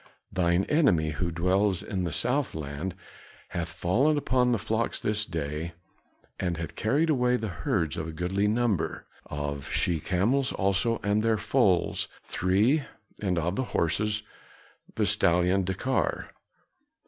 "Thine enemy who dwells in the south land hath fallen upon the flocks this day and hath carried away of the herds a goodly number, of she camels also and their foals, three, and of the horses, the stallion Dekar."